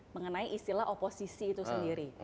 mengenai istilah oposisi itu sendiri